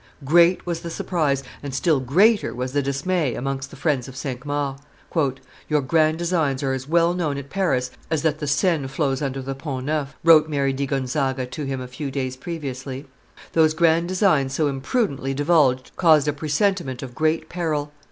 Great was the surprise, and still greater was the dismay, amongst the friends of Cinq Mars. "Your grand designs are as well known at Paris as that the Seine flows under the Pont Neuf," wrote Mary di Gonzaga to him a few days previously. Those grand designs so imprudently divulged caused a presentiment of great peril.